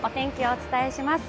お伝えします。